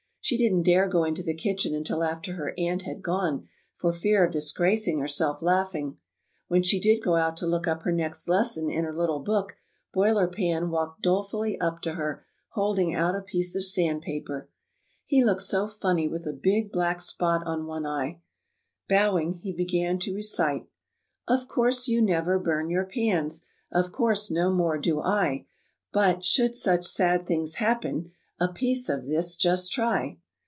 She didn't dare go into the kitchen until after her aunt had gone, for fear of disgracing herself laughing. [Illustration: To keep from laughing out.] When she did go out to look up her next lesson in her little book, Boiler Pan walked dolefully up to her, holding out a piece of sand paper. He looked so funny with a big black spot on one eye! Bowing, he began to recite: "Of course, you never burn your pans, Of course, no more do I; But, should such sad things happen, A piece of this just try."